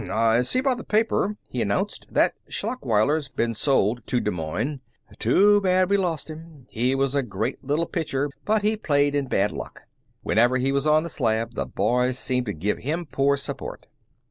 "I see by the paper," he announced, "that Schlachweiler's been sold to Des Moines. Too bad we lost him. He was a great little pitcher, but he played in bad luck. Whenever he was on the slab the boys seemed to give him poor support."